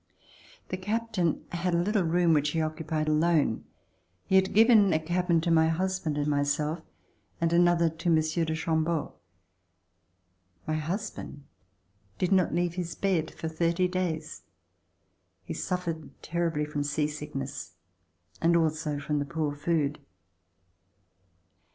The captain had a little room which he occupied alone. He had given a cabin to my husband and to [ 179] RECOLLECTIONS OF THE REVOLUTION myself and another to Monsieur de Chambeau. My husband did not leave his bed for thirty days. He suffered terribly from sea sickness and also from the poor food.